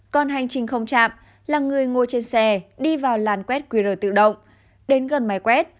còn hành trình không chạm là người ngồi trên xe đi vào làn quét qr tự động đến gần máy quét